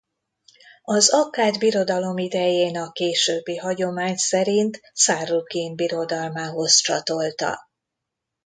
Az Akkád Birodalom idején a későbbi hagyomány szerint Sarrukín birodalmához csatolta.